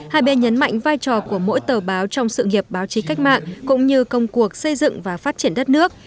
hai bên nhấn mạnh vai trò của mỗi tờ báo trong sự nghiệp báo chí cách mạng cũng như công cuộc xây dựng và phát triển đất nước